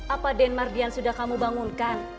apa den mar dian sudah kamu bangunkan